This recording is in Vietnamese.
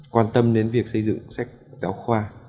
quan tâm đến việc xây dựng sách giáo khoa